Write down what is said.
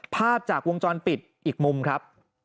ภาพจากวงจรปิดอีกมุมครับ